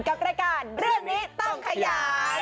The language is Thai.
กับร่วมรื่อนนี้ต้องขยาย